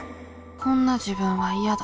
「こんな自分は嫌だ」。